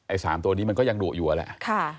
ไอ้สามตัวนี้มันก็ยังหลั่วอยู่อะแหละ